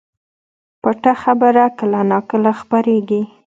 پټه خبره کله نا کله خپرېږي